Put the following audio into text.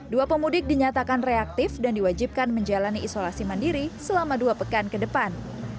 dua pemudik dinyatakan reaktif dan diwajibkan menjalani isolasi mandiri selama dua pekan ke depan